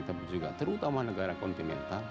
tapi juga terutama negara kontinental